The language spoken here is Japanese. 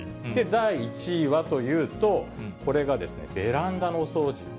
第１位はというと、これがベランダのお掃除。